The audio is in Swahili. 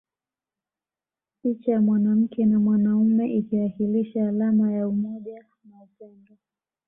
Picha ya mwanamke na mwanaume ikiwakilisha alama ya umoja na upendo